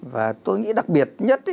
và tôi nghĩ đặc biệt nhất